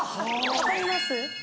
分かります？